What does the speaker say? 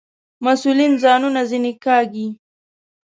مسئولین ځانونه ځنې کاږي.